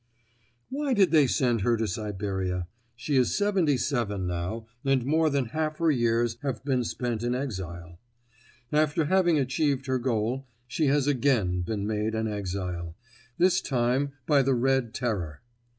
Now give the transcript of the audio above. Why did they send her to Siberia? She is seventy seven now and more than half her years have been spent in exile. After having achieved her goal, she has again been made an exile. This time by the Red Terror.